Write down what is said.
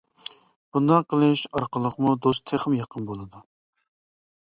بۇنداق قىلىش ئارقىلىقمۇ دوست تېخىمۇ يېقىن بولىدۇ.